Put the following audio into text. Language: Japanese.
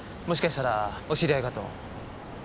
もしかしたらお知り合いかと。